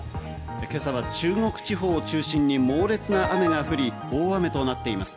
今朝は中国地方を中心に猛烈な雨が降り、大雨となっています。